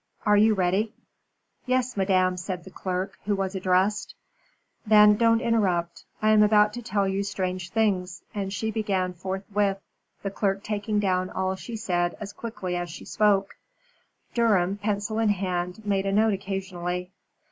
Are you ready?" "Yes, madam," said the clerk, who was addressed. "Then don't interrupt. I am about to tell you strange things," and she began forthwith, the clerk taking down all she said as quickly as she spoke. Durham, pencil in hand, made a note occasionally.